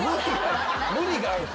無理があるって。